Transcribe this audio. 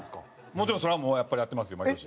もちろんそれはもうやっぱりやってますよ毎年。